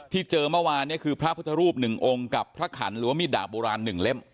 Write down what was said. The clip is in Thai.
เจอเมื่อวานเนี่ยคือพระพุทธรูป๑องค์กับพระขันหรือว่ามีดดาบโบราณ๑เล่ม